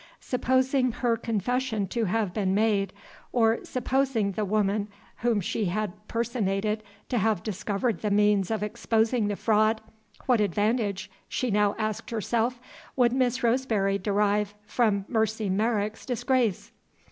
Supposing her confession to have been made, or supposing the woman whom she had personated to have discovered the means of exposing the fraud, what advantage, she now asked herself, would Miss Roseberry derive from Mercy Merrick's disgrace?